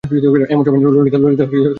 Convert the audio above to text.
এমন সময় ললিতা তাহার ঘরে আসিল।